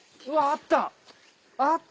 あった！